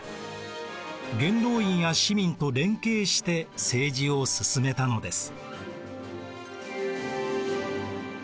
元老院や市民と連携して政治を進めたのです。